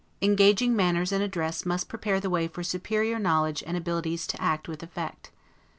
Engaging manners and address must prepare the way for superior knowledge and abilities to act with effect.